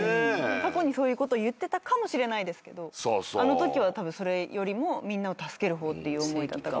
過去にそういうこと言ってたかもしれないですけどあのときはたぶんそれよりもみんなを助ける方っていう思いだったかもしれないですし。